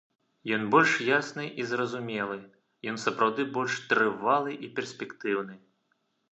Ён больш ясны і зразумелы, ён сапраўды больш трывалы і перспектыўны.